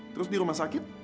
terus di rumah sakit